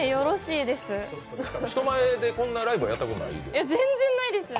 人前でこんなライブやったことない？